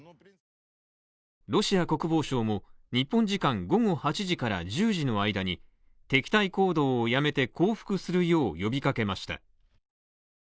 ロシア国防省も、日本時間午後８時から１０時の間に敵対行動をやめて降伏するよう呼びかけました。